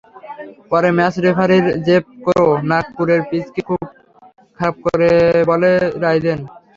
পরে match referee Jeff Crowe নাগপুরের পিচকে খুব খারাপ বলে রায় দেন।